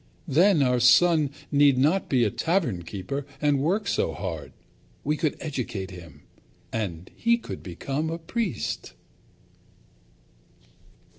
Then our son need not be a tavern keeper and work so hard. We could educate him, and he could become a priest."